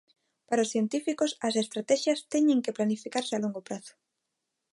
Para os científicos as estratexias teñen que planificarse a longo prazo.